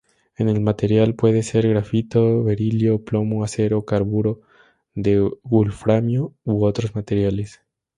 El material puede ser grafito, berilio, plomo, acero, carburo de wolframio u otros materiales.